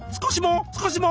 少しも？